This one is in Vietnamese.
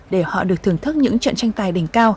để họ được thưởng thức những trận tranh tài đỉnh cao